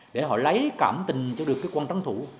để họ lấy cảm tình cho được cái quan trấn thủ